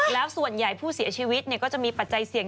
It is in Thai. แล้วส่วนใหญ่ผู้เสียชีวิตก็จะมีปัจจัยเสี่ยง